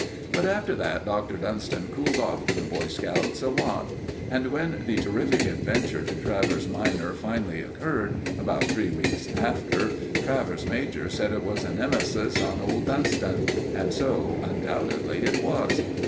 But, after that, Dr. Dunston cooled off to the Boy Scouts a lot; and when the terrific adventure to Travers minor finally occurred, about three weeks after, Travers major said it was a Nemesis on old Dunston; and so undoubtedly it was.